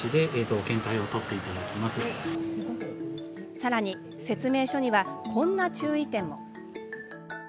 さらに説明書にはこんな注意点も。